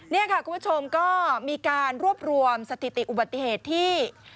นี่ค่ะคุณผู้ชมก็มีการรวบรวมสถิติอุบัติเหตุที่